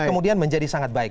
kemudian menjadi sangat baik